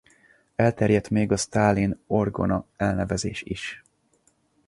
Elterjedt még a Sztálin-orgona elnevezés is.